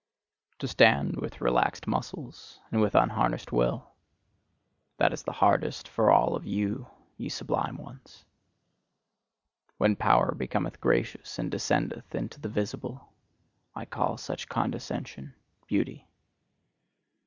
To stand with relaxed muscles and with unharnessed will: that is the hardest for all of you, ye sublime ones! When power becometh gracious and descendeth into the visible I call such condescension, beauty.